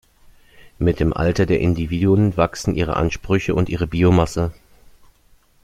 Mit dem Alter der Individuen wachsen ihre Ansprüche und ihre Biomasse.